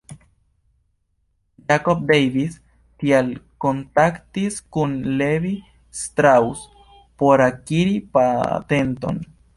Jacob Davis tial kontaktis kun Levi Strauss por akiri patenton.